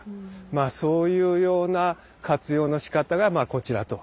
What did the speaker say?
まあそういうような活用のしかたがこちらと。